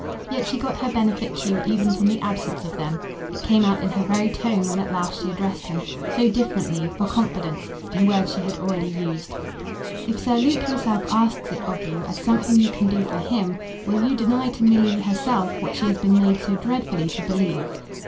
Yet she got her benefit too even from the absence of them. It came out in her very tone when at last she addressed him so differently, for confidence in words she had already used. "If Sir Luke himself asks it of you as something you can do for HIM, will you deny to Milly herself what she has been made so dreadfully to believe?"